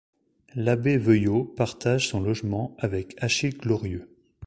L'abbé Veuillot partage son logement avec Achille Glorieux.